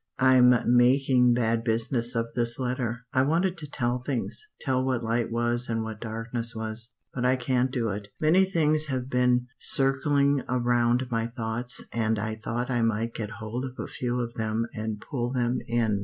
"I'm making bad business of this letter. I wanted to tell things, tell what light was and what darkness was; but I can't do it. Many things have been circling around my thoughts and I thought I might get hold of a few of them and pull them in.